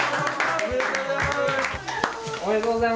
おめでとうございます。